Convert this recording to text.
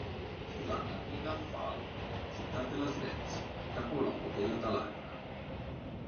Susanna vive a Falun, città della Svezia e capoluogo della Dalarna.